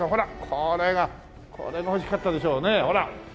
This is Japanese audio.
これがこれが欲しかったでしょねえ。